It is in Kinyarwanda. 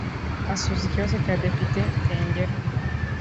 Asubiza ikibazo cya Depite Tengera